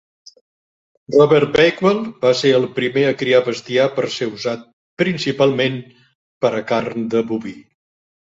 Robert Bakewell va ser el primer a criar bestiar per ser usat principalment per a carn de boví.